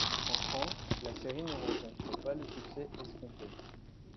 En France, la série ne rencontre pas le succès escompté.